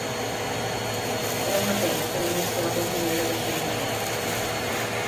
É unha pena que non estea o conselleiro de Sanidade.